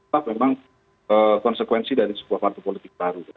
toh memang konsekuensi dari sebuah partai politik baru